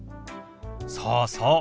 そうそう。